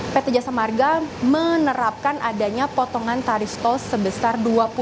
pt jasa marga menerapkan adanya potongan tarif tol sebesar